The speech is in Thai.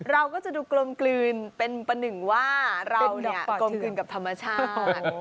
เราก็จะดูกลมกลืนเป็นประหนึ่งว่าเราเนี่ยกลมกลืนกับธรรมชาติ